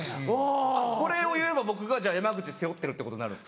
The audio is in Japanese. これを言えば僕が山口背負ってるってことになるんですか？